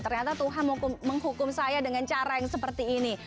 ternyata tuhan menghukum saya dengan cara yang seperti ini